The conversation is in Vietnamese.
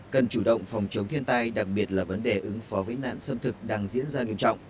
cần chủ động phòng chống thiên tai đặc biệt là vấn đề ứng phó với nạn xâm thực đang diễn ra nghiêm trọng